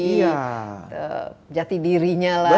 memenuhi jati dirinya lah gitu